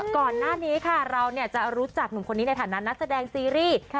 ก่อนหน้านี้ค่ะเราจะรู้จักหนุ่มคนนี้ในฐานะนักแสดงซีรีส์